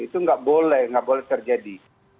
itu nggak boleh nggak boleh terjadi